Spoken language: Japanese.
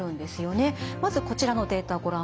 まずこちらのデータをご覧ください。